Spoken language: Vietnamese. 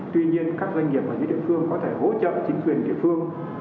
tuy nhiên các doanh nghiệp ở những địa phương có thể hỗ trợ chính quyền địa phương